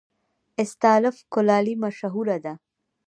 استالف کلالي مشهوره ده؟